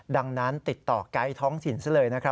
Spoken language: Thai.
ดังนั้นติดต่อไกด์ท้องถิ่นซะเลยนะครับ